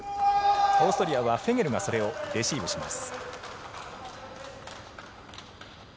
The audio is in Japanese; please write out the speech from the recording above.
オーストリアはフェゲルがそれをレシーブします。